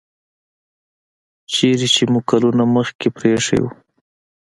چیرته چې مو کلونه مخکې پریښی و